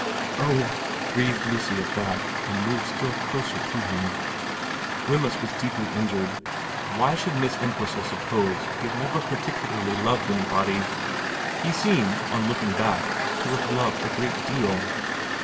' Oh,' breathed Lucy at that, and moved still closer to him. Wemyss was deeply injured. Why should Miss Entwhistle suppose he had never particularly loved anybody ? He seemed, on looking back, to have loved a great deal.